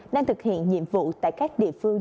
đang thực hiện nhiệm vụ tại các địa phương